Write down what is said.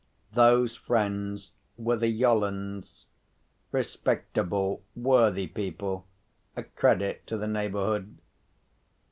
Those friends were the Yollands—respectable, worthy people, a credit to the neighbourhood.